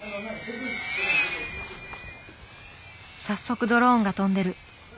早速ドローンが飛んでる。